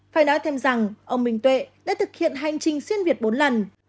phải nói thêm rằng ông minh tuệ đã thực hiện hành trình xuyên việt bốn lần